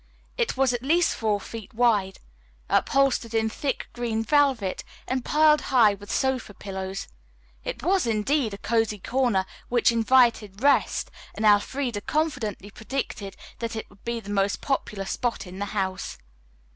It was at least four feet wide, upholstered in thick green velvet and piled high with sofa pillows. It was indeed a cozy corner which invited rest, and Elfreda confidently predicted that it would be the most popular spot in the house.